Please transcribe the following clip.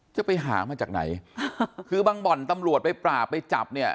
จะไปหามาจากไหนคือบางบ่อนตำรวจไปปราบไปจับเนี่ย